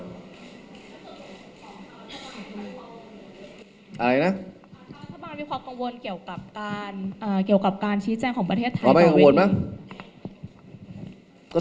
เกี่ยวกับการชี้แจงของประเทศไทย